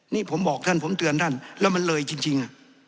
นี่ผมบอกท่านผมเตือนท่านแล้วมันเลยจริง